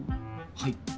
はい。